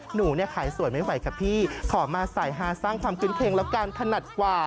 หนูเนี่ยขายสวยไม่ไหวค่ะพี่ขอมาสายฮาสร้างความคุ้นเค็งแล้วกันถนัดกว่า